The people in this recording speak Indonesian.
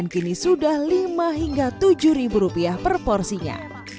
kini sudah rp lima rp tujuh per porsinya